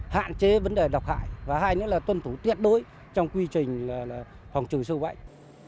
hạn chế vấn đề độc hại và hai nữa là tuân thủ tuyệt đối trong quy trình phòng trừ sâu bệnh